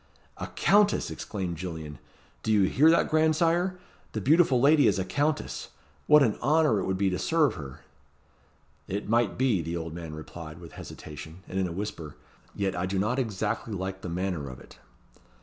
"A Countess!" exclaimed Gillian. "Do you hear that, grandsire? The beautiful lady is a countess. What an honour it would be to serve her!" "It might be," the old man replied, with hesitation, and in a whisper; "yet I do not exactly like the manner of it."